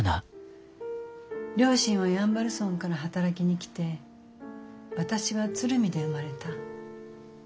両親は山原村から働きに来て私は鶴見で生まれた。